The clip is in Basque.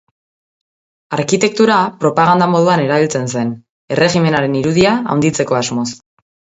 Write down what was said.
Arkitektura propaganda moduan erabiltzen zen, erregimenaren irudia handitzeko asmoz.